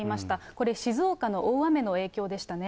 これ、静岡の大雨の影響でしたね。